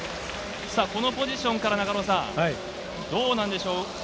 このポジションから、どうなんでしょう。